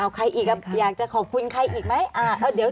เอาใครอีกอยากจะขอบคุณใครอีกไหม